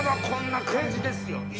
こんな感じですよ。